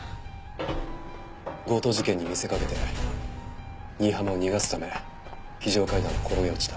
強盗事件に見せかけて新浜を逃がすため非常階段を転げ落ちた。